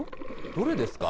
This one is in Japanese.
どれですか？